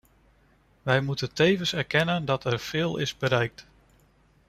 Wij moeten tevens erkennen dat er veel is bereikt.